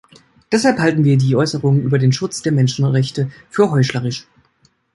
Deshalb halten wir die Äußerungen über den Schutz der Menschenrechte für heuchlerisch.